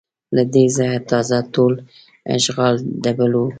له دې ځایه تازه ټول اشغال د بل و